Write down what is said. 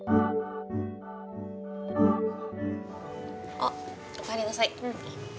あっおかえりなさい。